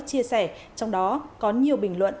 chia sẻ trong đó có nhiều bình luận